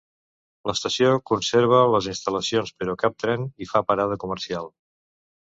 L'estació conserva les instal·lacions però cap tren hi fa parada comercial.